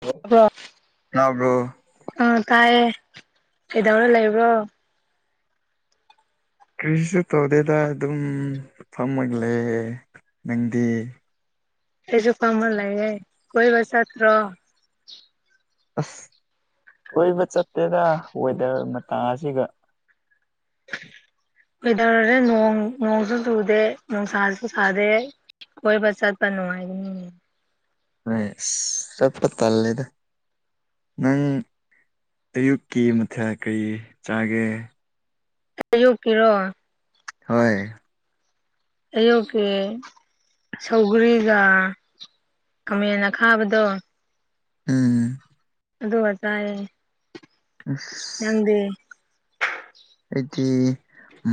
ꯑꯣ ꯇꯥꯕ꯭ꯔꯣ ꯇꯥꯕ꯭ꯔꯣ ꯑꯥ ꯇꯥꯏꯌꯦ ꯀꯩꯗꯧꯔ ꯂꯩꯕ꯭ꯔꯣ ꯀꯔꯤꯁꯨ ꯇꯧꯗꯦꯗ ꯑꯗꯨꯝ ꯐꯝꯃꯒ ꯂꯩꯌꯦ ꯅꯪꯗꯤ ꯑꯩꯁꯨ ꯐꯝꯃꯒ ꯂꯩꯌꯦ ꯀꯣꯏꯕ ꯆꯠꯇ꯭ꯔꯣ ꯑꯁ ꯀꯣꯏꯕ ꯆꯠꯇꯦꯗ ꯋꯦꯗꯔ ꯃꯇꯥ ꯑꯁꯤꯒ [inaudible] ꯋꯦꯗꯔꯖꯦ ꯅꯣꯡ ꯅꯣꯡꯁꯨ ꯆꯨꯗꯦ ꯅꯨꯡꯁꯥꯁꯨ ꯁꯥꯥꯗꯦ ꯈꯣꯏꯕ ꯆꯠꯄ ꯅꯨꯡꯉꯥꯏꯅꯤ ꯍꯣꯏ ꯁꯤꯁ ꯆꯠꯄ ꯇꯜꯂꯦꯗ ꯅꯪ ꯑꯌꯨꯛꯀꯤ ꯃꯊꯦꯜ ꯀꯩ ꯆꯥꯒꯦ ꯑꯌꯨꯛ ꯀꯤꯔꯣ ꯍꯣꯏ ꯑꯌꯨꯛ ꯀꯤ ꯁꯧꯒꯔꯤꯒ ꯈꯥꯃꯦꯟ ꯑꯈꯥꯕꯗꯣ ꯎꯝ ꯑꯗꯨꯒ ꯆꯥꯢꯌꯦ ꯑꯁ ꯑꯩꯗꯤ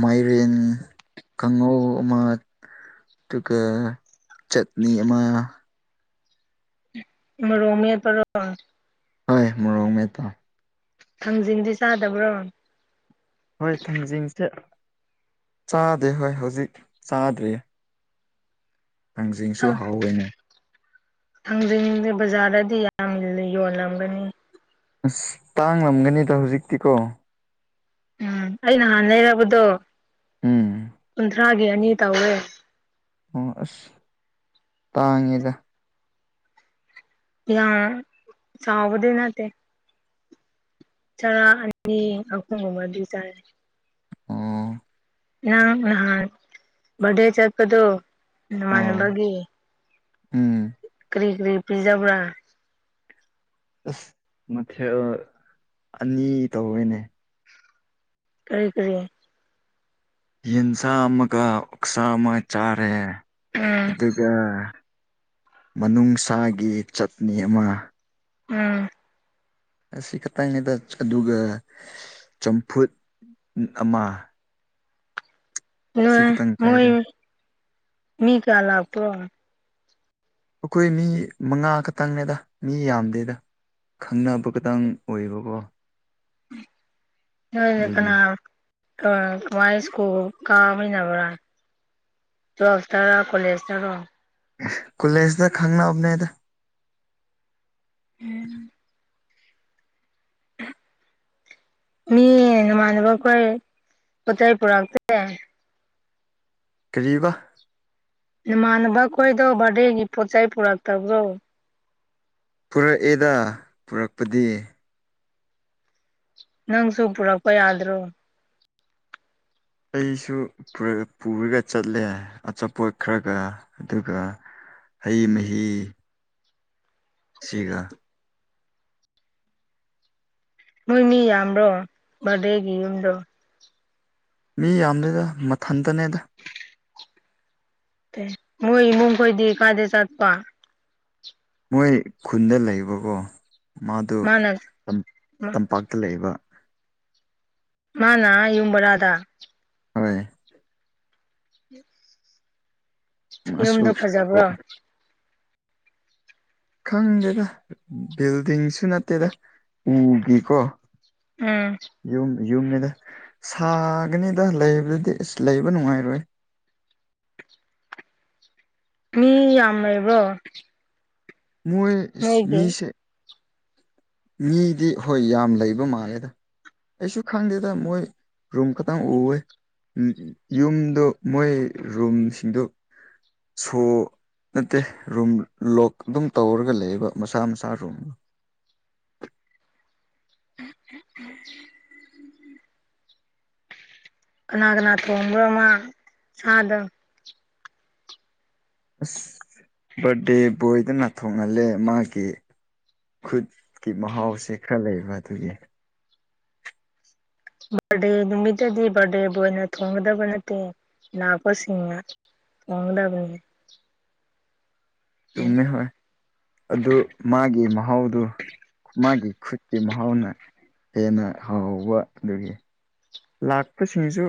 ꯃꯥꯏꯔꯦꯟ ꯀꯥꯡꯉꯧ ꯑꯃ ꯑꯗꯨꯒ ꯆꯠꯅꯤ ꯑꯃ ꯔꯣꯃꯣꯛ ꯃꯦꯠꯄꯔꯣ ꯍꯣꯏ ꯃꯣꯔꯣꯛ ꯃꯦꯠꯄ ꯊꯥꯡꯖꯤꯡꯗꯤ ꯆꯥꯗꯕ꯭ꯔꯣ ꯍꯣꯏ ꯊꯥꯡꯖꯤꯡꯁꯦ ꯆꯥꯗꯦ ꯍꯣꯏ ꯍꯧꯖꯤꯛ ꯆꯥꯗ꯭ꯔꯤꯌꯦ ꯊꯥꯡꯖꯤꯡꯁꯨ ꯍꯧꯋꯦꯅꯦ ꯊꯥꯡꯖꯤꯡꯗꯤ ꯕꯖꯥꯔꯗꯗꯤ ꯌꯥꯝ ꯌꯣꯜꯂꯝꯒꯅꯤ ꯑꯁ ꯇꯥꯡꯂꯝꯒꯅꯤꯗ ꯍꯧꯖꯤꯛꯇꯤꯀꯣ ꯎꯝ ꯑꯩ ꯅꯍꯥꯟ ꯂꯩꯔꯛꯄꯗꯣ ꯎꯝ ꯀꯨꯟ ꯇꯔꯒꯤ ꯑꯅꯤ ꯇꯧꯋꯦ ꯑꯣ ꯑꯁ ꯇꯥꯡꯉꯦꯗ ꯌꯥꯝ ꯆꯥꯎꯕꯗꯤ ꯅꯠꯇꯦ ꯆꯔꯥ ꯑꯅꯤ ꯑꯍꯨꯝꯒꯨꯝꯕꯗꯤ ꯆꯥꯢ ꯑꯣ ꯅꯪ ꯅꯍꯥꯟ ꯚ꯭ꯔꯠꯗꯦ ꯆꯠꯄꯗꯨ ꯑꯣ ꯅꯃꯥꯟꯅꯕꯒꯤ ꯎꯝ ꯀꯔꯤ ꯀꯔꯤ ꯄꯤꯖꯕ꯭ꯔꯥ ꯑꯁ ꯃꯊꯦꯜ ꯑꯅꯤ ꯇꯧꯋꯦꯅꯦ ꯀꯔꯤ ꯀꯔꯤ ꯌꯦꯟꯁꯥ ꯑꯃꯒ ꯑꯣꯛꯁꯥ ꯑꯃꯒ ꯆꯥꯔꯦ ꯎꯝ ꯑꯗꯨꯒ ꯃꯅꯨꯡꯁꯥꯒꯤ ꯆꯠꯅꯤ ꯑꯃꯒ ꯎꯝ ꯑꯁꯤ ꯈꯛꯇꯪꯅꯦꯗ ꯑꯗꯨꯒ ꯆꯝꯐꯨꯠ ꯎꯝ ꯑꯃ ꯅꯣꯏ ꯁꯤꯈꯛꯇꯪ ꯃꯣꯏ ꯆꯥꯏꯗ ꯃꯤ ꯀꯌꯥ ꯂꯥꯛꯄ꯭ꯔꯣ ꯑꯩꯈꯣꯏ ꯃꯤ ꯃꯉꯥ ꯈꯛꯇꯪꯅꯦꯗ ꯃꯤ ꯌꯥꯝꯗꯦꯗ ꯈꯪꯅꯕ ꯈꯇꯪ ꯑꯣꯏꯕꯀꯣ ꯅꯣꯏꯗ ꯑꯗꯨꯒꯤ ꯀꯅꯥ ꯑꯥ ꯀꯃꯥꯏ ꯁ꯭ꯀꯨꯜ ꯀꯥꯃꯤꯟꯅꯕ꯭ꯔꯥ ꯇ꯭ꯋꯦꯜꯐ ꯇꯔ ꯀꯣꯂꯦꯖꯇꯔꯣ ꯀꯂꯦꯁꯗ ꯈꯪꯅꯕꯅꯦꯗ [inaudible] [inaudible] ꯃꯤ ꯅꯃꯥꯟꯅꯕꯈꯣꯏ ꯄꯣꯠꯆꯩ ꯄꯨꯔꯛꯇꯦ ꯀꯔꯤꯕꯥ ꯅꯃꯥꯟꯅꯕ ꯈꯣꯏꯗꯣ ꯕꯥꯔꯗꯦꯒꯤ ꯄꯣꯠ ꯆꯩ ꯄꯨꯔꯛꯇꯕ꯭ꯔꯣ ꯄꯨꯔꯛꯑꯦꯗ ꯄꯨꯔꯛꯄꯗꯤ ꯅꯪꯁꯨ ꯄꯨꯔꯛꯄ ꯌꯥꯗ꯭ꯔꯣ ꯑꯩꯁꯨ ꯄꯨꯔꯒ ꯆꯠꯂꯦ ꯑꯆꯥꯄꯣꯠ ꯈꯔꯒ ꯑꯗꯨꯒ ꯍꯩ ꯃꯍꯤ ꯁꯤꯒ ꯃꯣꯏ ꯃꯤ ꯌꯥꯝꯕ꯭ꯔꯣ ꯕꯥꯔꯗꯦꯒꯤ ꯌꯨꯝꯗꯣ ꯃꯤ ꯌꯥꯝꯗꯦꯗ ꯃꯊꯟꯇꯅꯦꯗ ꯃꯣꯏ ꯏꯃꯨꯡ ꯈꯣꯏꯗꯤ ꯀꯥꯏꯗ ꯆꯠꯄ ꯃꯣꯏ ꯈꯨꯟꯗ ꯂꯩꯕꯀꯣ ꯃꯥꯗꯣ ꯃꯥꯅ ꯇꯝ ꯇꯝꯄꯥꯛꯇ ꯂꯩꯕ ꯃꯥꯅ ꯑꯥ ꯌꯨꯝ ꯕꯔꯥꯗ ꯍꯣꯏ ꯃꯥꯁꯨ ꯌꯨꯝꯗꯣ ꯐꯖꯕ꯭ꯔꯣ ꯈꯪꯗꯦꯗ ꯕꯤꯜꯗꯤꯡꯁꯨ ꯅꯠꯇꯦꯗ ꯎꯒꯤꯀꯣ ꯎꯝ ꯌꯨꯝ ꯌꯨꯝꯅꯤꯗ ꯁꯥꯒꯅꯤꯗ ꯂꯩꯕꯗꯗꯤ ꯑꯁ ꯂꯩꯕ ꯅꯨꯡꯉꯥꯏꯔꯣꯏ [inaudible] ꯃꯤ ꯌꯥꯝ ꯂꯩꯕ꯭ꯔꯣ ꯃꯣꯏ ꯅꯣꯏꯒꯤ ꯃꯤꯁꯦ ꯃꯤꯗꯤ ꯍꯣꯏ ꯌꯥꯝ ꯂꯩꯕ ꯃꯥꯜꯂꯦꯗ ꯑꯩꯁꯨ ꯈꯪꯗꯦꯗ ꯃꯣꯏ ꯔꯨꯝ ꯈꯛꯇꯪ ꯎꯋꯦ ꯌꯨꯝꯗꯨ ꯃꯣꯏ ꯔꯨꯝꯁꯤꯡꯗꯨ ꯁꯣ ꯅꯠꯇꯦ ꯔꯨꯝ ꯂꯣꯛ ꯗꯨꯝ ꯇꯧꯔꯒ ꯂꯩꯕ ꯃꯁꯥ ꯃꯁꯥ ꯔꯨꯝ [inaudible] ꯀꯅꯥ ꯀꯅꯥ ꯊꯣꯡꯕ꯭ꯔꯣ ꯃꯥ ꯁꯥꯗꯪ ꯑꯁ ꯕꯥꯔꯗꯦ ꯕꯣꯏꯗꯨꯅ ꯊꯣꯡꯍꯜꯂꯦ ꯃꯥꯒꯤ ꯈꯨꯠꯀꯤ ꯃꯍꯥꯎꯁꯦ ꯈꯔ ꯂꯩꯕ ꯗꯨꯒꯤ ꯕꯥꯔꯗꯦ ꯅꯨꯃꯤꯠꯇꯗꯤ ꯕꯥꯔꯗꯦꯕꯣꯏꯅ ꯊꯣꯡꯒꯗꯕ ꯅꯠꯇꯦ ꯂꯥꯛꯄꯁꯤꯡꯅ ꯊꯣꯡꯒꯗꯕꯅꯤ ꯎꯝ ꯆꯨꯝꯃꯦ ꯍꯣꯏ ꯑꯗꯨ ꯃꯥꯒꯤ ꯃꯍꯥꯎꯗꯨ ꯃꯥꯒꯤ ꯈꯨꯠꯀꯤ ꯃꯍꯥꯎꯅ ꯍꯦꯟꯅ ꯍꯥꯎꯕ ꯑꯗꯨꯒꯤ ꯂꯥꯛꯄꯁꯤꯡꯁꯨ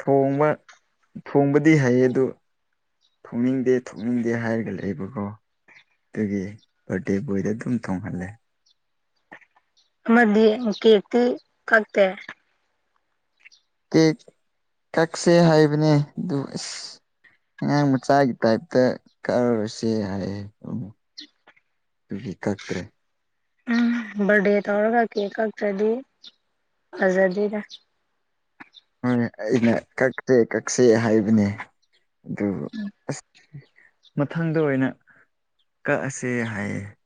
ꯊꯣꯡꯕ ꯊꯣꯡꯕꯗꯤ ꯍꯩ ꯑꯗꯨ ꯊꯣꯛꯅꯤꯡꯗꯦ ꯊꯣꯛꯅꯤꯡꯗꯦ ꯍꯥꯏꯔꯒ ꯂꯩꯕꯀꯣ ꯗꯨꯒꯤ ꯕꯥꯔꯗꯦ ꯕꯣꯏꯗ ꯗꯨꯝ ꯊꯣꯡꯍꯜꯂꯦ ꯑꯃꯗꯤ ꯀꯦꯛꯇꯤ ꯀꯛꯇꯦ ꯀꯦꯛ ꯀꯛꯁꯦ ꯍꯥꯏꯕꯅꯦ ꯑꯗꯨ ꯏꯁ ꯑꯉꯥꯡ ꯃꯆꯥꯒꯤ ꯇꯥꯏꯞꯇ ꯀꯥꯛꯔꯣꯢꯁꯦ ꯍꯥꯏꯌꯦ ꯗꯨꯒꯤ ꯀꯛꯇꯔꯦ ꯎꯝ ꯕꯔꯗꯦ ꯇꯧꯔꯒ ꯀꯦꯛ ꯀꯛꯇ꯭ꯔꯗꯤ ꯐꯖꯗꯦꯗ ꯁꯦ ꯀꯛꯁꯦ ꯍꯥꯏꯕꯅꯦ ꯑꯗꯨ ꯑ꯭ꯁ ꯃꯊꯪꯗ ꯑꯣꯏꯅ ꯀꯛꯑꯁꯦ ꯍꯥꯏꯌꯦ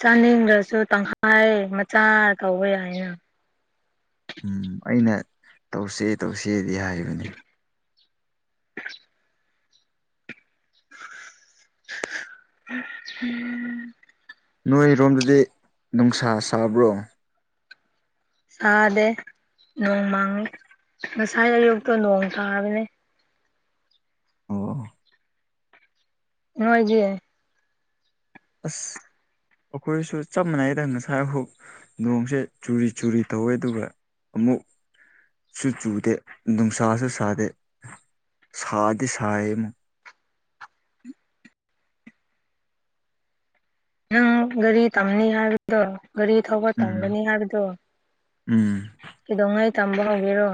ꯆꯥꯅꯤꯡꯗ꯭ꯔꯁꯨ ꯇꯪꯈꯥꯏ ꯃꯆꯥ ꯇꯧꯕ ꯌꯥꯢꯅ ꯎꯝ ꯑꯩꯅ ꯇꯧꯁꯦ ꯇꯧꯁꯦꯗꯤ ꯍꯥꯏꯕꯅꯤ [inaudible] ꯅꯣꯏꯔꯣꯝꯗꯗꯤ ꯅꯨꯡꯁꯥ ꯁꯥꯕ꯭ꯔꯣ ꯁꯥꯗꯦ ꯅꯣꯡ ꯃꯥꯡꯉꯤ ꯉꯁꯥꯏ ꯑꯌꯨꯛꯇꯣ ꯅꯣꯡ ꯇꯥꯕꯅꯦ ꯑꯣ ꯅꯣꯏꯒꯤ ꯑꯁ ꯑꯩꯈꯣꯏꯁꯨ ꯆꯞ ꯃꯥꯟꯅꯩꯗ ꯉꯁꯥꯏꯐꯨꯛ ꯅꯣꯡꯁꯦ ꯆꯨꯔꯤ ꯆꯨꯔꯤ ꯇꯧꯋꯦ ꯑꯗꯨꯒ ꯑꯃꯨꯛꯁꯨ ꯆꯨꯗꯦ ꯅꯨꯡꯁꯥꯁꯨ ꯁꯥꯗꯦ ꯁꯥꯗꯤ ꯁꯥꯏꯌꯦ ꯑꯃꯨꯛ ꯅꯪ ꯒꯔꯤ ꯇꯝꯅꯤ ꯍꯤꯏꯕꯗꯣ ꯒꯥꯔꯤ ꯊꯧꯕ ꯎꯝ ꯇꯝꯒꯅꯤ ꯍꯥꯏꯕꯗꯣ ꯎꯝ ꯀꯩꯗꯧꯉꯩ ꯇꯝꯕ ꯍꯧꯒꯦꯔꯣ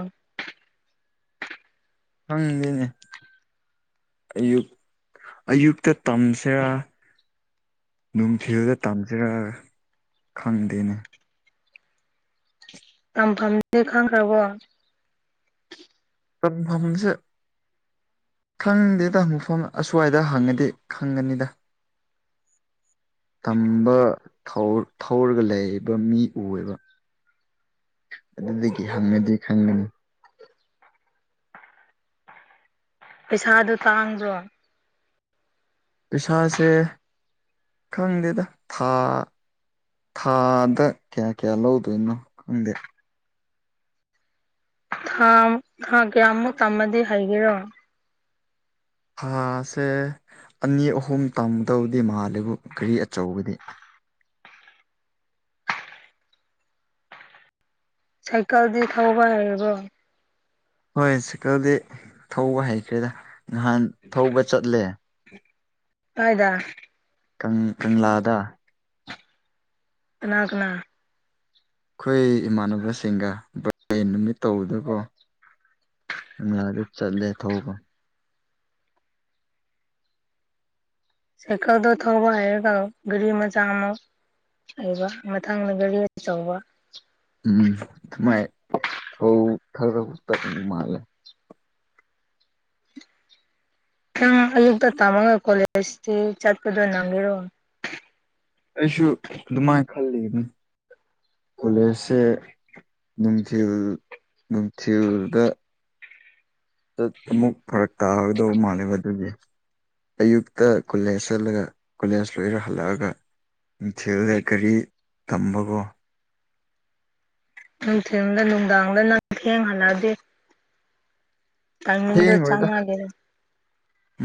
ꯈꯪꯗꯦꯅꯦ ꯑꯌꯨꯛ ꯑꯌꯨꯛꯇ ꯇꯝꯁꯤꯔꯥ ꯅꯨꯡꯊꯤꯜꯗ ꯇꯝꯁꯤꯔꯥ ꯈꯪꯗꯦꯅꯦ ꯇꯝꯐꯝꯗꯤ ꯈꯪꯈ꯭ꯔꯕꯣ ꯇꯝꯐꯝꯁꯦ ꯈꯪꯗꯦꯗ ꯃꯐꯝ ꯑꯁ꯭ꯋꯥꯏꯗ ꯍꯪꯉꯗꯤ ꯈꯪꯒꯅꯤꯗ [inaudible] ꯇꯝꯕ ꯊꯧꯔ ꯊꯧꯔꯒ ꯂꯩꯕ ꯃꯤ ꯎꯢꯑꯦꯕ ꯑꯗꯨꯗꯒꯤ ꯍꯪꯉꯗꯤ ꯈꯪꯒꯅꯤ ꯄꯩꯁꯥꯗꯨ ꯇꯥꯡꯕꯗ꯭ꯔꯣ ꯄꯩꯁꯥꯁꯦ ꯈꯪꯗꯦꯗ ꯊꯥ ꯊꯥꯗ ꯀꯌꯥ ꯀꯌꯥ ꯂꯧꯗꯣꯏꯅꯣ ꯈꯪꯗꯦ ꯊꯥ ꯀꯌꯥꯃꯨꯛ ꯇꯝꯃꯗꯤ ꯍꯩꯒꯦꯔꯣ ꯊꯥꯁꯦ ꯑꯅꯤ ꯑꯍꯨꯝ ꯇꯝꯒꯗꯧꯗꯤ ꯃꯥꯜꯂꯦꯕꯨ ꯒꯥꯔꯤ ꯑꯆꯧꯕꯗꯤ ꯁꯥꯏꯀꯜꯗꯤ ꯊꯧꯕ ꯍꯩꯔꯕ꯭ꯔꯣ ꯍꯣꯏ ꯁꯥꯢꯀꯜꯗꯤ ꯊꯧꯕ ꯍꯩꯈ꯭ꯔꯦꯗ ꯅꯍꯥꯟ ꯊꯧꯕ ꯆꯠꯂꯦ ꯀꯥꯢꯗ ꯀꯪ ꯀꯪꯂꯥꯗ ꯀꯅꯥ ꯀꯅꯥ ꯑꯩꯈꯣꯏ ꯏꯃꯥꯟꯅꯕꯁꯤꯡꯒ ꯅꯨꯃꯤꯠ ꯇꯧꯕꯗꯀꯣ ꯀꯣꯂꯥꯗ ꯆꯠꯂꯦ ꯊꯧꯕ ꯁꯥꯢꯀꯜꯗꯣ ꯊꯧꯕ ꯍꯩꯔꯒ ꯒꯔꯤ ꯃꯆꯥꯥ ꯑꯃꯨꯛ ꯍꯩꯕ ꯃꯊꯪꯅ ꯒꯥꯔꯤ ꯑꯆꯧꯕ ꯃꯥꯏ ꯑꯧ ꯊꯧ ꯈꯔ ꯈꯔ ꯇꯠꯄ ꯃꯥꯂꯦ ꯅꯪ ꯑꯌꯨꯛꯇ ꯇꯥꯃꯒ ꯀꯣꯂꯦꯖꯇꯤ ꯆꯠꯄꯗꯣ ꯅꯝꯒꯦꯔꯣ ꯑꯩꯁꯨ ꯑꯗꯨꯃꯥꯏꯅ ꯈꯜꯂꯤꯝꯅꯤ ꯀꯣꯂꯦꯖꯁꯦ ꯅꯨꯡꯊꯤꯜ ꯅꯨꯡꯊꯤꯜꯗ ꯇ ꯑꯃꯨꯛ ꯐꯔꯛ ꯇꯥꯒꯗꯧꯕ ꯃꯥꯜꯂꯦꯕ ꯑꯗꯨꯒꯤ ꯑꯌꯨꯛꯇ ꯀꯣꯂꯦꯖ ꯆꯠꯂꯒ ꯀꯣꯂꯦꯖ ꯂꯣꯏꯔ ꯍꯜꯂꯛꯑꯒ ꯅꯨꯡꯊꯤꯜꯗ ꯒꯔꯤ ꯇꯝꯕꯒꯣ ꯅꯨꯡꯊꯤꯜꯗ ꯅꯨꯡꯗꯥꯡꯗ ꯅꯪ ꯊꯦꯡ ꯍꯜꯂꯛꯑꯗꯤ ꯇꯥꯏꯃꯤꯡꯗꯣ ꯊꯦꯡꯉꯣꯏꯗ ꯆꯥꯅꯗꯦꯗ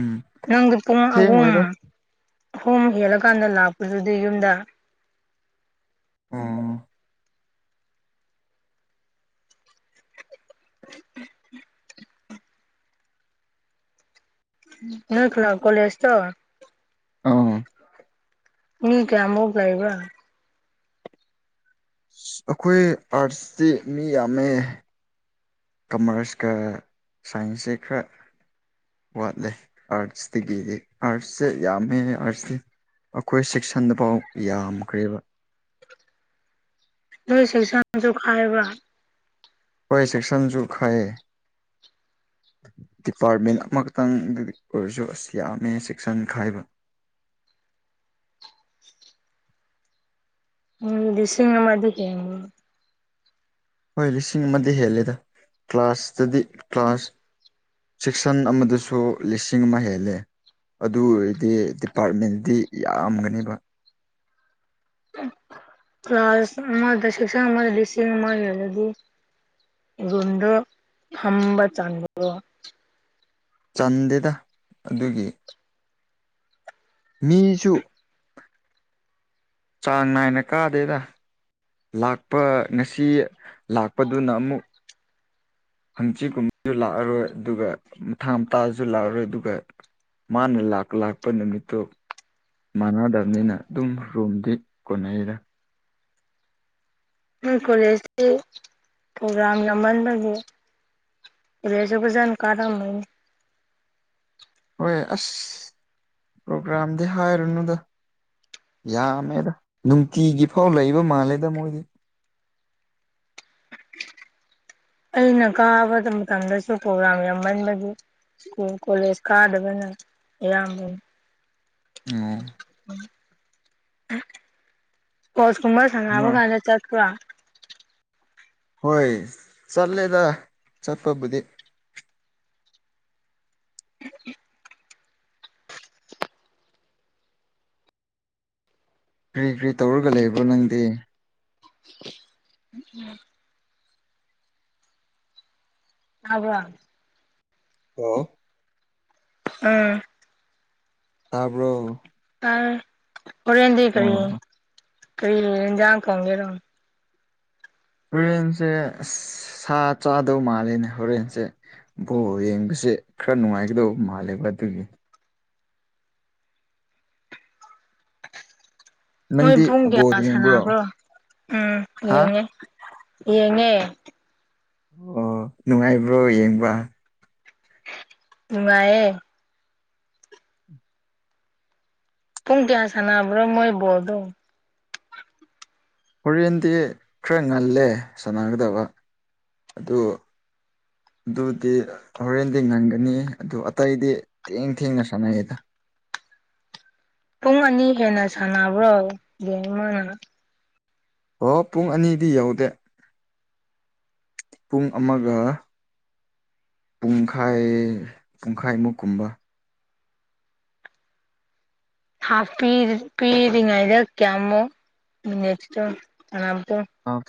ꯎꯝ ꯅꯪꯗꯤ ꯄꯨꯡ ꯑꯍꯨꯝ ꯊꯦꯡꯉꯣꯏꯗ ꯑꯍꯨꯝ ꯍꯦꯜꯂꯀꯥꯟꯗ ꯂꯥꯛꯄꯗꯨꯗꯤ ꯌꯨꯝꯗ ꯑꯣ [inaudible] ꯅꯣꯏ ꯈꯜꯂꯥ ꯀꯣꯂꯦꯖꯇꯣ ꯑꯥ ꯃꯤ ꯀꯌꯥꯃꯨꯛ ꯂꯩꯕ꯭ꯔꯥ ꯑꯈꯣꯏ ꯑꯥꯔꯠꯁ ꯇꯤ ꯃꯤ ꯌꯥꯝꯃꯦ ꯀꯝꯃꯔꯁꯀ ꯁꯥꯏꯟꯁꯁꯦ ꯈꯔ ꯋꯥꯠꯂꯦ ꯑꯥꯔꯠꯁꯇꯒꯤꯗꯤ ꯑꯥꯔꯠꯁꯁꯦ ꯌꯥꯝꯃꯦ ꯑꯥꯔꯠꯁꯇꯤ ꯑꯈꯣꯏ ꯁꯦꯛꯁꯟꯗꯐꯥꯎ ꯌꯥꯝꯈ꯭ꯔꯦꯕ ꯅꯣꯏ ꯁꯦꯛꯁꯟꯖꯨ ꯈꯥꯏꯕ꯭ꯔꯥ ꯍꯣꯏ ꯁꯦꯛꯁꯟꯖꯨ ꯈꯥꯏꯌꯦ ꯗꯤꯄꯥꯔꯠꯃꯦꯟꯠ ꯑꯃꯈꯇꯪꯗꯗꯤ ꯑꯣꯏꯔꯁꯨ ꯑꯁ ꯌꯥꯝꯃꯦ ꯁꯦꯛꯁꯟ ꯈꯥꯏꯕ [inaudible] ꯎꯝ ꯂꯤꯁꯤꯡ ꯑꯃꯗꯤ ꯍꯦꯟꯅꯤ ꯍꯣꯏ ꯂꯤꯁꯤꯡ ꯑꯃꯗꯤ ꯍꯦꯜꯂꯦꯗ ꯀ꯭ꯂꯥꯁꯇꯗꯤ ꯀ꯭ꯂꯥꯁ ꯁꯦꯛꯁꯟ ꯑꯃꯗꯁꯨ ꯂꯤꯁꯤꯡ ꯑꯃ ꯍꯦꯜꯂꯦ ꯑꯗꯨ ꯑꯣꯏꯔꯗꯤ ꯗꯤꯄꯥꯔꯠꯃꯦꯟꯗꯤ ꯌꯥꯝꯒꯅꯤꯕ ꯀ꯭ꯂꯥꯁ ꯑꯃꯗ ꯁꯦꯛꯁꯟ ꯑꯃꯗ ꯂꯤꯁꯤꯡ ꯑꯃ ꯂꯩꯔꯗꯤ ꯔꯨꯝꯗꯣ ꯐꯝꯕ ꯆꯟꯕ꯭ꯔꯣ ꯆꯟꯗꯦꯗꯥ ꯑꯗꯨꯒꯤ ꯃꯤꯁꯨ ꯆꯥꯡ ꯅꯥꯏꯅ ꯀꯥꯗꯦꯗꯥ ꯂꯥꯛꯄ ꯉꯁꯤ ꯂꯥꯛꯄꯗꯨꯅ ꯑꯃꯨꯛ ꯍꯪꯆꯤꯠꯀꯨꯝꯕꯖꯨ ꯂꯥꯛꯑꯔꯣꯏ ꯑꯗꯨꯒ ꯃꯊꯪ ꯍꯞꯇꯥꯗꯁꯨ ꯂꯥꯛꯑꯔꯣꯏ ꯑꯗꯨꯒ ꯃꯥꯅ ꯂꯥꯛ ꯂꯥꯛꯄ ꯅꯨꯃꯤꯠꯇꯣ ꯃꯥꯟꯅꯗꯝꯅꯤꯅ ꯑꯗꯨꯝ ꯔꯨꯝꯗꯤ ꯀꯣꯟꯅꯩꯌꯦꯗ ꯅꯣꯏ ꯀꯣꯂꯦꯖꯇꯤ ꯄ꯭ꯔꯣꯒ꯭ꯔꯥꯝ ꯌꯥꯝꯃꯟꯕꯒꯤ ꯔꯦꯖꯨꯒꯦꯖꯟ ꯀꯥꯔꯝꯃꯣꯏꯅꯦ ꯍꯣꯏ ꯑꯁ ꯄ꯭ꯔꯣꯒ꯭ꯔꯥꯝꯗꯤ ꯍꯥꯏꯔꯨꯅꯨꯗ ꯌꯥꯝꯃꯦꯗ ꯅꯨꯡꯇꯤꯒꯤ ꯐꯥꯎ ꯂꯩꯕ ꯃꯥꯜꯂꯦꯗ ꯃꯣꯏꯗꯤ ꯑꯩꯅ ꯀꯥꯕꯗ ꯃꯇꯝꯗꯁꯨ ꯄ꯭ꯔꯣꯒ꯭ꯔꯥꯝ ꯌꯥꯝꯃꯟꯕꯒꯤ ꯁ꯭ꯀꯨꯜ ꯀꯣꯂꯦꯖ ꯀꯥꯗꯕꯅ ꯑꯌꯥꯝꯕꯅꯤ ꯑꯣ ꯁ꯭ꯄꯣꯔꯠꯁ ꯀꯨꯝꯕ ꯁꯥꯟꯅꯕ ꯃꯣꯏ ꯀꯥꯟꯗ ꯆꯠꯄ꯭ꯔꯥ ꯍꯣꯏ ꯆꯠꯂꯦꯗꯥ ꯆꯠꯄꯕꯨꯗꯤ ꯀ꯭ꯔꯤ ꯀ꯭ꯔꯤ ꯇꯧꯔꯒ ꯂꯩꯕ꯭ꯔꯣ ꯅꯪꯗꯤ ꯎꯝꯎꯝ ꯇꯥꯕ꯭ꯔꯣ ꯍꯜꯂꯣ ꯑꯥ ꯇꯥꯕ꯭ꯔꯣ ꯑ ꯍꯣꯔꯦꯟꯗꯤ ꯀꯔꯤ ꯑꯣ ꯀꯔꯤ ꯌꯦꯟꯖꯥꯡ ꯊꯣꯡꯗꯣꯏꯔꯣ ꯍꯣꯔꯦꯟꯁꯦ ꯑꯁ ꯁꯥ ꯆꯥꯗꯧ ꯃꯥꯜꯂꯦꯅꯦ ꯍꯣꯔꯦꯟꯁꯦ ꯕꯣꯜ ꯌꯦꯡꯕꯁꯨ ꯖꯦ ꯈꯔ ꯅꯨꯡꯉꯥꯏꯒꯗꯧꯕ ꯃꯥꯜꯂꯦꯕ ꯑꯗꯨꯒꯤ ꯃꯣꯏ ꯅꯪꯗꯤ ꯄꯨꯡ ꯕꯣꯜ ꯀꯌꯥ ꯌꯦꯡꯕ꯭ꯔꯣ ꯁꯥꯟꯅꯕ꯭ꯔꯣ ꯎꯝ ꯍꯥ ꯌꯦꯡꯉꯦ ꯌꯦꯡꯉꯦ ꯑꯣ ꯅꯨꯡꯉꯥꯏꯕ꯭ꯔꯣ ꯌꯦꯡꯕ ꯅꯨꯡꯉꯥꯏꯌꯦ ꯄꯨꯡ ꯀꯌꯥ ꯁꯥꯟꯅꯕ꯭ꯔꯣ ꯃꯣꯏ ꯕꯣꯜꯗꯣ ꯍꯣꯔꯦꯟꯗꯤ ꯈꯔ ꯉꯜꯂꯦ ꯁꯥꯟꯅꯒꯗꯕꯥ ꯑꯗꯣ ꯑꯗꯨꯗꯤ ꯍꯣꯔꯦꯟꯗꯤ ꯉꯟꯒꯅꯤ ꯑꯗꯨ ꯑꯇꯩꯗꯤ ꯊꯦꯡ ꯊꯦꯡꯅ ꯁꯥꯟꯅꯩꯗꯥ ꯄꯨꯡ ꯑꯅꯤ ꯍꯦꯟꯅ ꯁꯥꯟꯅꯕ꯭ꯔꯣ ꯒꯦꯝ ꯑꯃꯅ ꯑꯣ ꯄꯨꯡ ꯑꯅꯤꯗꯤ ꯌꯧꯗꯦ ꯄꯨꯡ ꯑꯃꯒ ꯄꯨꯡꯈꯥꯏ ꯄꯨꯡꯈꯥꯏꯃꯨꯛ ꯀꯨꯝꯕ ꯍꯤꯞ ꯄꯤ ꯄꯤꯔꯤꯉꯩꯗ ꯀꯌꯥꯃꯨꯛ ꯃꯤꯅꯤꯠꯇꯣ ꯁꯥꯅ ꯑꯥ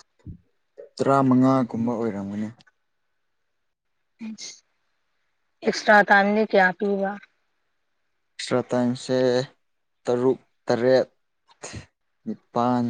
ꯇꯔꯥꯃꯉꯥꯒꯨꯝꯕ ꯑꯣꯏꯔꯝꯒꯅꯤ ꯏꯁ ꯑꯦꯛꯁꯇ꯭ꯔꯥ ꯇꯥꯏꯝꯗꯤ ꯀꯌꯥ ꯄꯤꯕ ꯑꯦꯛꯁꯇ꯭ꯔꯥ ꯇꯥꯏꯝꯁꯦ ꯇꯔꯨꯛ ꯇꯔꯦꯠ ꯅꯤꯄꯥꯟ